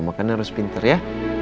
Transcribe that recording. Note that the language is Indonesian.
makan harus pinter ya